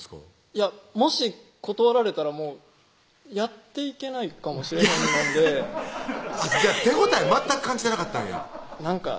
いやもし断られたらやっていけないかもしれないので手応え全く感じてなかったんやなんか